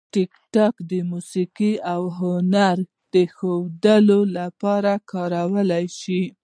ټیکټاک د موسیقي او هنر د ښودلو لپاره کارېدلی شي.